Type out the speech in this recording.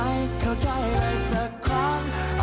ไม่เชื่อไปฟังกันหน่อยค่ะ